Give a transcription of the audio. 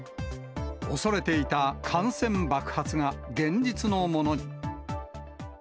恐れていた感染爆発が現実のものに。